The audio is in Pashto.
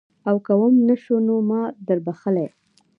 او که وم نه شو نو ما دربخلي.